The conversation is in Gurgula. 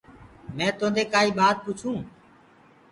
مينٚ توندي ڪآئي ٻآت پوڇونٚ؟